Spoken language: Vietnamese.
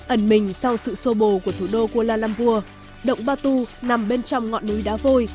ẩn mình sau sự sô bồ của thủ đô kuala lumpur động ba tu nằm bên trong ngọn núi đá vôi